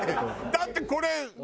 だってこれ。